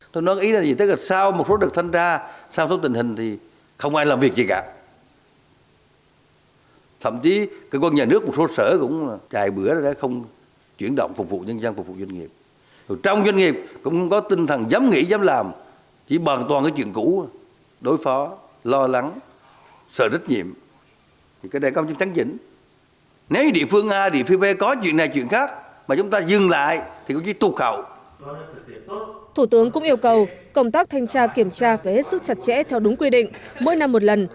thủ tướng cũng yêu cầu công tác thanh tra kiểm tra phải hết sức chặt chẽ theo đúng quy định mỗi năm một lần